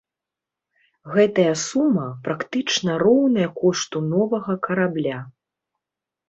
Гэтая сума практычна роўная кошту новага карабля.